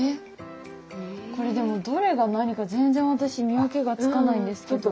これでもどれが何か全然私見分けがつかないんですけど。